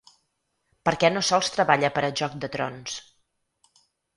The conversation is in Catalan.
Perquè no sols treballa per a ‘Joc de trons’.